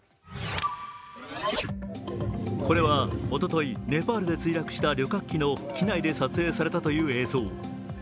これは、おとといネパールで墜落した旅客機の機内で撮影されたという映像。